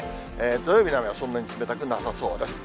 土曜日の雨はそんなに冷たくなさそうです。